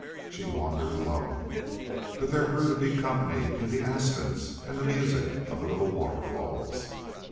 She wandered alone. But there grew to be company in the aspens and the music of the little waterfalls.